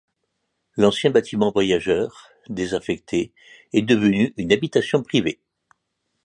L'ancien bâtiment voyageurs, désaffectée, est devenu une habitation privée.